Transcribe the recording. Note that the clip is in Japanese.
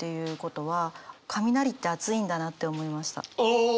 ああ！